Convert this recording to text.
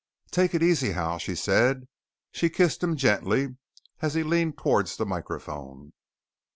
"Take it easy Hal," she said. She kissed him gently as he leaned towards the microphone.